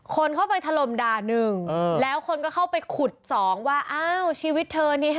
คนเข้าไปถล่มด่าหนึ่งแล้วคนก็เข้าไปขุดสองว่าอ้าวชีวิตเธอนี่